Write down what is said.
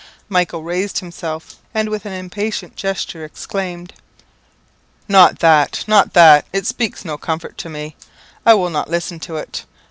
Michael raised himself, and with an impatient gesture exclaimed "Not that not that! It speaks no comfort to me. I will not listen to it.